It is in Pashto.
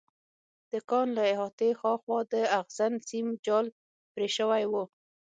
د کان له احاطې هاخوا د اغزن سیم جال پرې شوی و